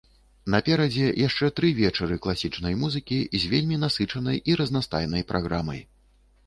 Наперадзе яшчэ тры вечары класічнай музыкі з вельмі насычанай і разнастайнай праграмай.